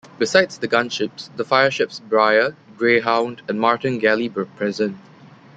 Besides the gunships, the fireships "Bryar", "Greyhound" and "Martin Gally" were present.